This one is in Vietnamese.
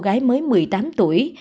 cô gái mới một mươi tám tuổi